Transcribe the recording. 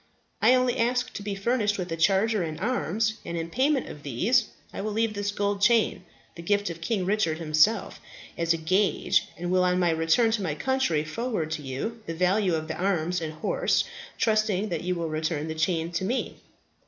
I only ask to be furnished with a charger and arms, and in payment of these I will leave this gold chain, the gift of King Richard himself, as a gage, and will on my return to my country forward to you the value of the arms and horse, trusting that you will return the chain to me."